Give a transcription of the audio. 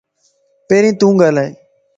پھرين تون ڳالھائي